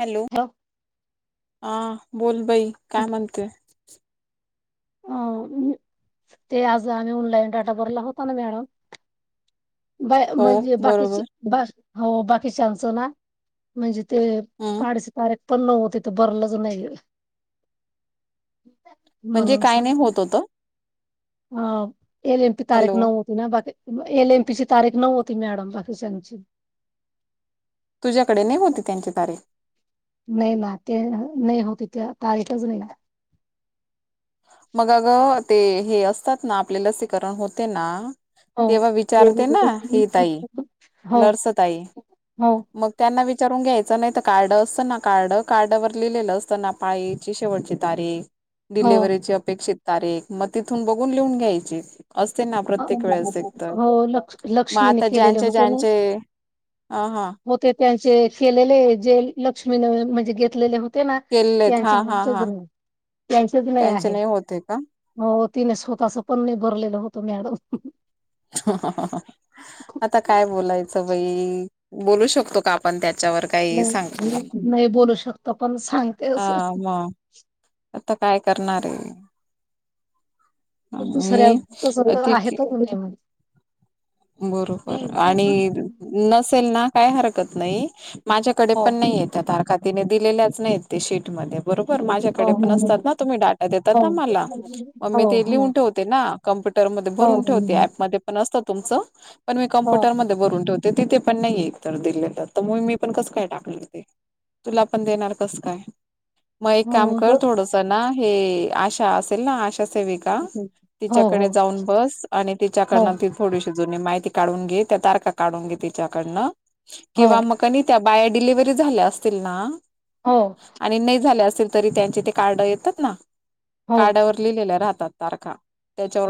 Hello हा बोल बई काय म्हणतेय अ अहं ते आज आम्ही ऑनलाईन डेटा भरला होता ना मॅडम बाय हो म्हणजे बरोबर बाकीची बा हो बाकीचांचं ना म्हणजे ते हम्म पाडीचे तारेख पण नव्ह तथे भरलंच नाही म्हणजे काय नाही होत होत हा ए ल प हॅलो तारीख नऊ त ना बाकी एल एम पी ची तारीख नव्ह होती मॅडम बाकी त्यांची तुझ्याकडे नाही होती त्यांची तारीख नाही ना ते नाही होतिथे त येतच नाही मग अग ते हे असतात ना आपले लसीकरण होते ना हो तेव्हा हो विचारते ना ही ताई हो नर्स तई मग त्यांना विचारून घ्यायचं नाही तर कार्ड असतं ना कार्ड कार्डवर लिहिलेलं असतं ना पाळीची शेवटची तारीख हो डिलिव्हरीची अपेक्षित तारीख मग तिथून बघून लिहून घ्यायची असते ना प्रत्येक वेळेस एक तर हो लक्ष मग लक्ष्मीने आता केलेले ज्यांचे होते ना ज्यांचे अ हां होते त्यांचे केलेले जे लक्ष्मीने म्हणजे घेतलेले होते ते ना केलेत हा त्यांची हा नाज हा त्यांचेच नाही त्यांचे आहे होते का? हो तिने स्वतःच पण नाही भरलेलं होतं मॅडम आता काय बोलायचं बाई बोलू शकतो का पण त्याच्यावर काही नाही सांग नाही बोलू शकत पण सांगते ह असं मग आता काय करणार आहे दुसऱ्या आणि तस ठीक आहे आहेच्यामध्ये बरोबर आणि नसेल ना काय हरकत नाही माझ्याकडे हो पण नाही येत्या तारखातीने दिलेल्याच नाहीत ते शीटमध्ये बरोबर हो हो माझ्याकडे पण असतात ना तुम्ही डाटा हो हो हो देतात ना मला मग हो मी ते हो लिहून ठेवते ना कम्प्युटरमध्ये हो भरून ठेवते ऍपमध्येध्ये पण असतात च प म हो कप्युटर भरून ठेवते तिथे पण नाही तर दिलेलं तर मग मी पण कसं काय टाकणार ते तुला पण देणार कसं काय मग एक हो काम कर हो थोडस ना हे आशा असेल ना आशा सेविक का तिच्याकडे जाऊन बस आणि तिच्याकडन त थोडीशी जु माहिती काढून घे त्या तार काढून घे त्याच्याकडन किंवा मग कण त्या बाया डिलिव्हरी झाल्या असतील ना हो आणि नाही झाले असल तरी त्यांचे ते कार्ड येतात ना हो कार्डवर लिलेल्या राहतात तारखा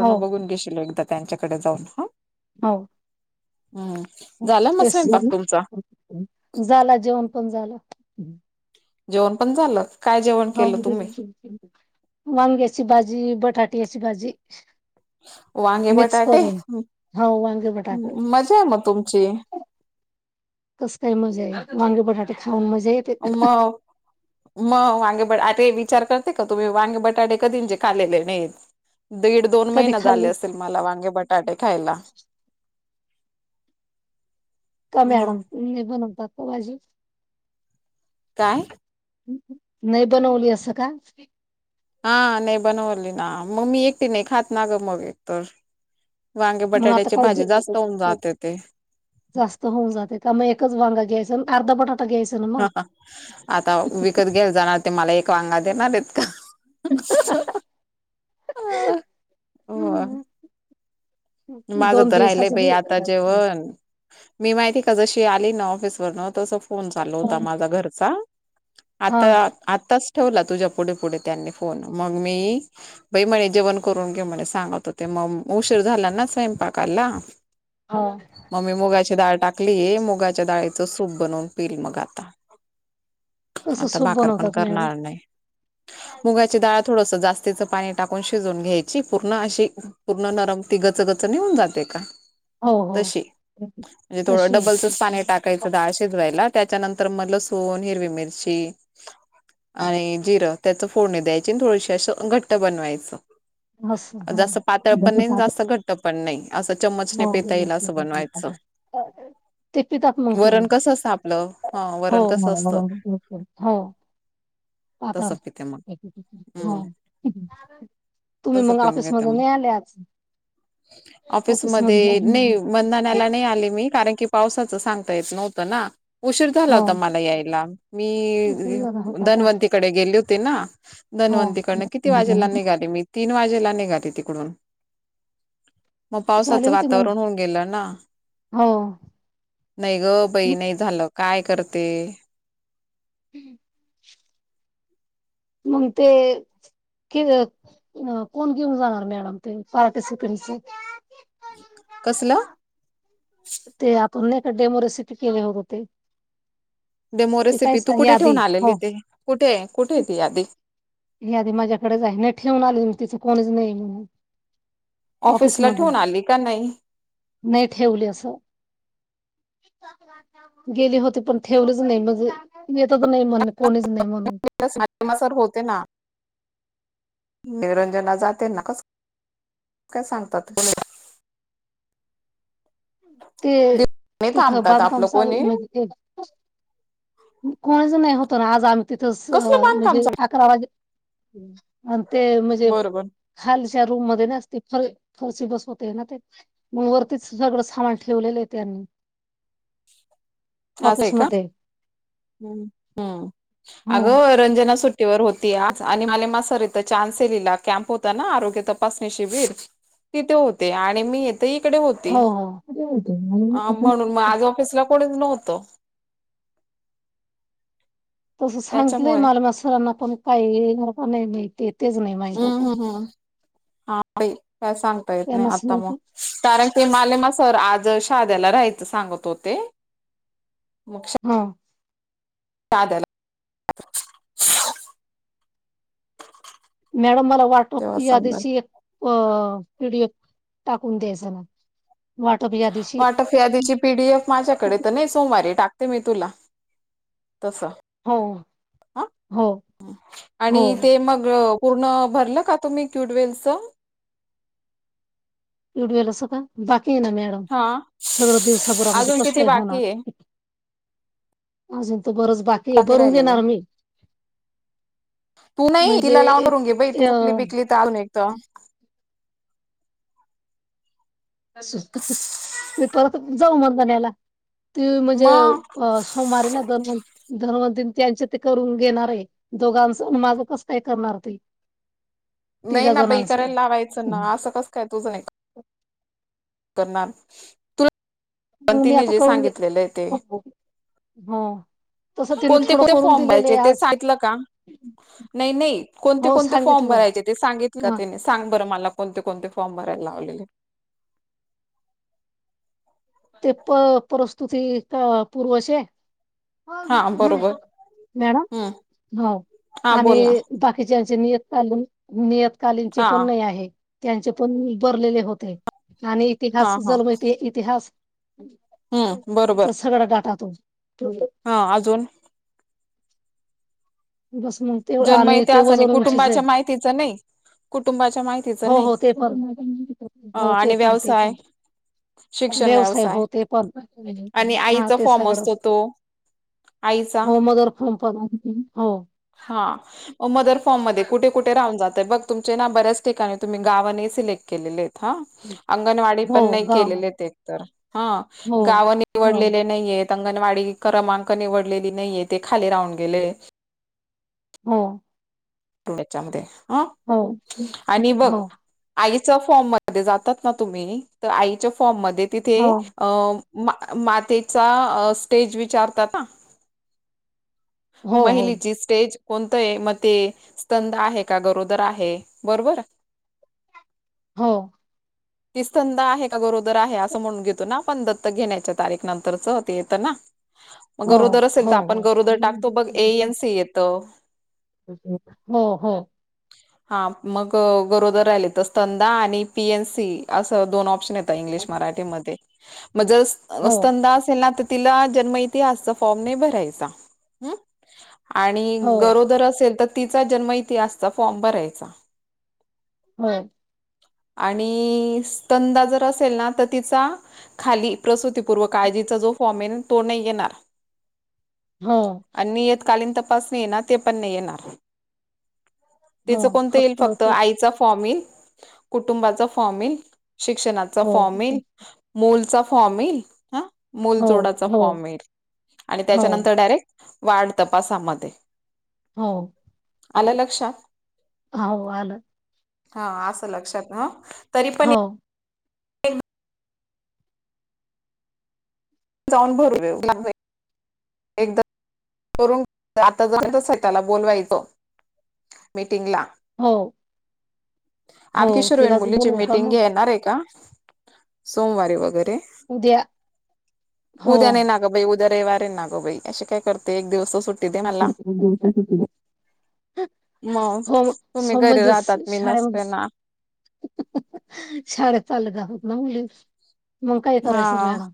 हो बघून घेशीलल एकदा त्यांच्याकडे जाऊन ह हो हम्म झालं मग ते स्वयंपाक तुमचा झाला जेवण पण झालं जेवण पण झालं काय जेवण केलं तुम्ही ह वांग्याची भाजी बटाटेची भाजी वांगे मिक्स बटाटे करून हाव वांगे बटाटे मज्जा आहे मग तुमची कस काय मजे आहे वांगे बटाटे खाऊन मजे आमा मग वांगे बटारे विचार करते का तुम्ही वांगे बटाटे कधी जे खालेले नाहीत दीड दोन कधी महिने झाले खाल्ली असल मला वांगे बटाटे खायला का मग मॅडम नाही बनवतात त भाजी काय नाही बनवली असं का हा नाही बनवली ना मग मी एकटी नाही खात ना ग मग एक तर मग आता काही जास्त होऊन जाते ते जास्त होऊन जाते का मग एकच वांग घ्यायंच न अर्धा बटाटा घ्यायच. ह आता विकत घ्याला जाणार ते मला एक वांगा देणारेत का? हो माझं दोन तर राहिलंय दिवसाच बायी बी आता जेवण मी माहिती का जशी आली ना ऑफिस वरन तसं फोन चालू होता माझा घरचा हा आता आत्ताच ठेवला तुझ्या पुढे पुढे त्यांनी फोन मग मी बई म्हणे जेवण करून घे म्हणे सांगत होते म उशीर झाला ना स्वयंपाकाला हा म मी मुगाची डाळ टाकली मुगाच्या डाळीचं सूप बनवून पिल मग आता कसं आता सूप भाकर पण बनवतात करणार मॅडम? नाय. मुगाची डाळ थोडस जास्तीच पाणी टाकून शिजून घ्यायची पूर्ण अशी पूर्ण नरम ति गचग च निहून जाते का हो, हो. तशी म्हजे थोडं तशी डबलचच पाणी टाक कायचं डाळ शिजवायला त्याच्यानंतर म लसूण, हिरवी मिरची आणि जिरं त्याच फोडणी द्यायची आणि थोडीशी असं घट्ट बनवायचं. मस्त जास्त हां. पातळ हो. पण नाही आणि जास्त घट्ट पण नाही. असं चम्मचने पेता येईल असं बनवायचं. [unintelligible] ते पितात मग तुम्ही वरण कसं असतं आपलं हा हो वरण हो कसं असतं हो पातळ तसं पिते मग हा हम्म तुम्ही तसं मग पिऊन घेते ऑफिसमधून मग न्याले आज ऑफिसमधून ऑफिसमध्ये आले. निव मंधनाला नाही आले मी कारण की पावसाचं सांगता येत नव्हतं ना. उशीर झाला हो. होता मला यायला मी होता का? धनवंतीकडे गेले होते ना. हो. धनवंतीकडनं किती वाजेला निघाली मी तीन वाजेला निघाली तिकडून मग झाले पावसाचं होते मग. वातावरण होऊन गेलं ना हो, नाही ग बाई नाही झालं काय करते. [unintelligible] मग ते कि अं कोण घेऊन जाणार मॅडम ते पारटि्सिपट्स कसलं? ते आपन नैका डेमो रेसिपी केले होते. डेमो रेसिपी तू कुठे यादी ठेऊून आलेली हो ते कुठेय कुठे ती आधी यादी माझ्याकडच आहे ना ठेवून आले मी तिचं कोणीच नाही म्हणून ऑफिस ऑफिसला मधून ठेवून आली का नाही नाही ठेवली अस गेली होती पण ठेवलच नाही मग येतच नाही म्हण कोणीच नाही म्हणून [unintelligible] होते ना निरंजन जाते नकोच काय सांगतात ते नाही तिथं थांबतात बांधकाम आपलं सारू कोणी म्हणजे कोणाच नाही होत ना आज आम तिथच कसलं बांधकाम म्हणजे चाल अकरा वाजे आण ते म्हजे बरोबर खालच्या रूम मध्ये नसती फर फरशी बसवते ना ते म वरतीच सगळं थामान ठेवलेले त्यांनी आजय का ऑफिसमध्ये हम्म हो अग रंजना सुट्टीवर होती आज आणि [unintelligible] चानसेलीला कॅम्प होता ना आरोग्य तपासणी शिबीर तिथे होते आणि मी येथ इकडे होती हो हो. अं म्हणून म आज ऑफिसला कोणीच नव्हतं. तसं सांगितलंय त्याच्यामुळे मला म सरांना पण काही येणार का नाही माहिते हम्म हम्म हम्म हाबई काय सांगत येत नी त्यांनाच आता म नव्हतं कारण ते माले मा सर आज शाध्याला राहायचं सांगत होते. मक्ष हम्म साधरऽ [unintelligible] मॅडम मला वाटप, तेव्हा या समजा दिशी, एक व्हिडिओ टाकून द्यायचा ना. वाटप यादी. वाटप यादिची पीडीएफ माझ्याकडे तर नाही, सोमवारी टाकते मी तुला तस हो हा,, हो हो आणि ते मग पूर्ण भरलं का तुम्ही क्यूडवेलचं. कुयुट्यूला अस का? बाकी ये ना मॅडम हा सगळं दिवसा अजून भरामध्येे कस किती काय होणार. बाकी आहे अजून तर बरच बाकी य,, भरून राहिलेलं देेणार आहे मी तू नाही,, म्हणजे तिला लावणा रुंगे बाई एक तू उकली अ बिकली तर आल एक मी परत जाऊ म्हणताण्याला,, ती म्हजे मग अं हो मारी ना,, दोन धन्वंतिन त्यांच्या ते करून घेणार आहे,, दोघांच,, माझं कसं काय करणार ती नाही ना बाई, करायला लावायचं ना, असं कस काय, तुझं नाही क करणार,, तु म मी आता करून,, ते हा कोणते कोणते फॉर्म भरायचे,, ते सांगितलं का नाही नाही, कोणते, हो कोणते, फॉर्म सांगितलं भरायचे ते सांगितलं का ह त्याने सांग बरं मला, कोणते कोणते फॉर्म भरायला लावले. ते प, परस्तुती,, पूर्व हा हमम, बरोबर मॅडम,, हम्म हो,, हा बोल ना आणि, बाकी कि जचे नियतकालीन, नियतकालीनचे हा पण नाही आहे. त्यांचे पण मी बरलेले होते,, आणि हा इतिहास हा जनमती, इतिहास हम्म सगळं गाटा तो हां, अजून दसमऽ [unintelligible] जन्म यथे असा नाही,, कुटुंबाच्या माहितीच नाही, कुटुंबाच्या माहिती हो हो ते पण, हो ते आणि पण ते व्यवसाय पण व्यवसाय हो ते पण आणि हा आईचा ते फॉर्म असतो सगडंच तो आईचा हंम फनातली हो. हां अं, मदर फॉर्म मध्ये, कुठे कुठे राहून जातय बघ, तुमचे ना बऱ्याच ठिकाणी,, तुम्ही ना गावं नै सिलेक्ट केलेले आहेत. हा,, अंगणवाडी हो पण नाही गाव केलेले ते तर,, हां हो गावाने हो निवडलेले नाहीयेत. अंगणवाडी क्रमांक निवडलेली नाहीये,, ते खाली राहून गेले. हो, त्याच्यामध्ये अं हो आणी बघ हो आईच्या फॉर्म मध्ये जातात ना तुम्ही त आईच्या फॉर्म मध्ये तिथे हो अं मा मातेचा स्टेज विचारतात ना हो महिलीची स्टेज कोणतंये मते स्तंद आहे का गरोदर आहे बरोबर हो. ती स्तंद आहे का गरोदर आहे. असं म्हणून घेतो ना आपण दत्तक घेण्याच्या तारीख नंतर च ते येतं ना. मग हो गरोदर असेल हो तर आपण गरोदर टाकतो बघ ए एन सी येतं हो हो हो. हा मग गरोदर राहिले तर स्तंदा आणि पी एन सी असं दोन ऑप्शन येतं. होत इंग्लिश मराठी मध्ये म जर स्तंदा असेल ना त तिला जन्म इतीे असतं फॉर्म नाही भरायचा हं आणि हो गरोदर असेल तर तिचा जन्म इतिहासचा फॉर्म भरायचा. हं. आणि स्तंदा जर असेल ना, त तिचा खाली प्रसूती पुर्व काळजीचा जो फॉर्ममेन तो नाही घेणार. ह. नियतकालीन तपासणीयना, ती पण नाही येणार. हो तीच कोणतं येईल फक्त, ते आईचा फॉर्म येईल कुटुंबाचा फॉर्म येईल. शिक्षणाचा हो फॉर्म येईल. हो मोल चा फॉर्म येईल. हां, मोल हो जोडाचा हो फॉर्म येईल. आणि हो त्याच्यानंतर डायरेक्ट वाढ तपासामध्ये. हो. आलं लक्षात. हाव, आलं. हां आस लक्षात, ह. तरी पण ए हो एक जाऊन भरु देऊ [unintelligible] एकदा, करून आता जाणतच हाय, त्याला बोलवायचं. मीटिंगला. हो. हो आर किशोरोईन तिलाच मुलींची बोलवू का मीटिंग मग घेणारयका का? सोमवारी वगैरे. उद्या. हो उद्या नाही ना गं बाई. उद्या रविवार हे ना गं बाई. अशी काय करते. एक दिवस सुट्ट [unintelligible] मग हो. तुम्ही सोम घरी म्हणजे जस राहतात मी शाळे म नसते बस ना [unintelligible] शाळेत चालले गं. नऊ - वीस मंग काय करायचं हा मॅडम.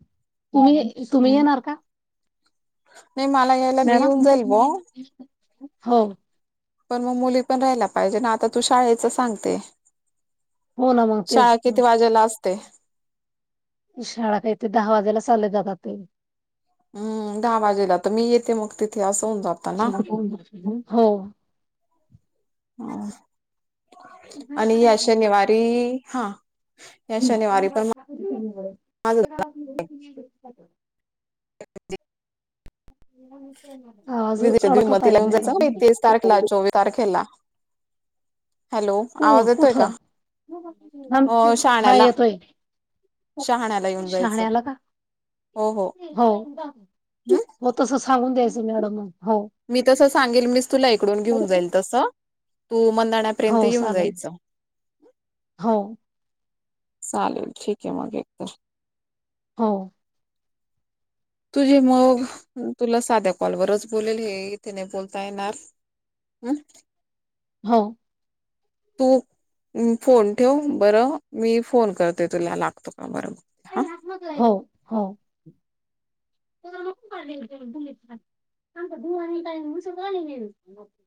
तुम्ही - तुम्ही येणार का? नाही, मला यायला मी मॅडम येऊन जाईल बो. हो पण मग, मुली पण राहायला पाहिजे ना. आता तू शाळेच सांगते. हो ना मग शाळा, तेच तर किती वाजेला असते? शाळा काय, ते दहा वाजेला चालले जातात ते. हम. दहा वाजेला तर मी येते. मग तिथे अस वून जात. [unintelligible] हो. हा. आणि या शनिवारी, हां. माझं [unintelligible] [inaudible] [unintelligible] आवाज विजेच्या अडकत दुमतीला आहे, येऊन जायचं मॅडम. तेवीस तारखेला [unintelligible] चोवीस तारखेला. हॅलो हो. आवाज येतोय का कुठं? हो [unintelligible] हा शहाण्याला येतोय. [unintelligible] शहाण्याला येऊन जायचं शाहाण्याला का? हो. [unintelligible] हम् होत तसं सांगून द्यायचं, मॅडम मग. हो. मी तसं सांगेल. मीच तुला इकडून घेऊन जाईल तसं. तू मंनाड्या हो, चालेल. हो. चालेल. ठीकए मग. एक तर हो. तुझे मग. तुला साध्या कॉलवरच बोलेल, हे. इथे नाही बोलता येणार. अं. हो. तू फोन ठेव बरं. मी फोन करते तुला. लागतो का बरं. हा. [inaudible] हो, हो. [unintelligible]